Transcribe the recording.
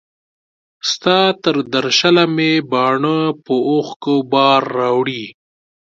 ستا تر درشله مي باڼو په اوښکو بار راوړی